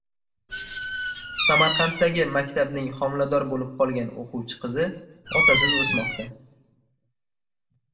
Samarqanddagi maktabning homilador bo‘lib qolgan o‘quvchi qizi otasiz o‘smoqda.